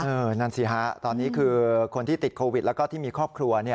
นั่นสิฮะตอนนี้คือคนที่ติดโควิดแล้วก็ที่มีครอบครัว